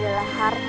tapi ku akan pergi